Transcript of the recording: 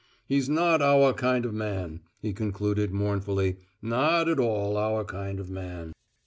He's not our kind of man," he concluded, mournfully; "not at all our kind of man!"